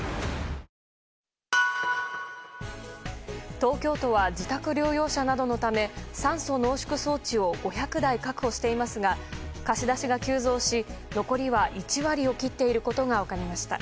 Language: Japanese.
東京都は自宅療養者などのため酸素濃縮装置を５００台確保していますが貸し出しが急増し残りは１割を切っていることが分かりました。